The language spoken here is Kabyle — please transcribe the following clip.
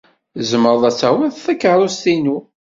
Tzemred ad tawyed takeṛṛust-inu.